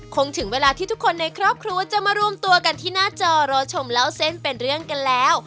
ถึงเวลาที่ทุกคนในครอบครัวจะมารวมตัวกันที่หน้าจอรอชมเล่าเส้นเป็นเรื่องกันแล้ว